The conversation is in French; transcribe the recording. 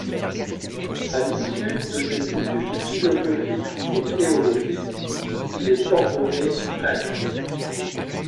À l'issue de ses études philosophiques et théologiques, il est ordonné prêtre.